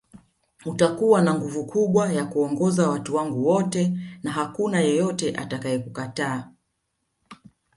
Utakuwa na nguvu kubwa ya kuongoza watu wangu wote na hakuna yeyote atakaye kukataa